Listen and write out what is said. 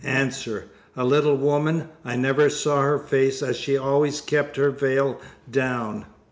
A. A little woman; I never saw her face, as she always kept her veil down.